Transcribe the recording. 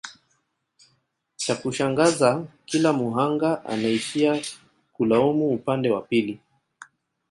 chakushangaza kila muhanga anaishia kulaumu upande wa pili